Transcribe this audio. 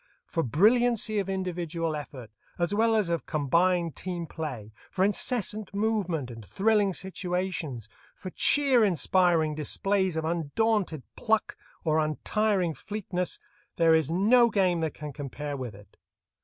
For brilliancy of individual effort as well as of combined team play, for incessant movement and thrilling situations, for cheer inspiring displays of undaunted pluck or untiring fleetness, there is no game that can compare with it.